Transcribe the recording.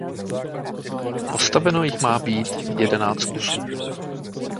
Postaveno jich má být jedenáct kusů.